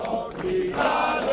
kita lebih masyarakat lebih